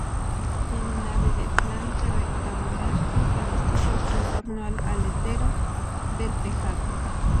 Tiene nave de planta rectangular y canecillos en torno al alero del tejado.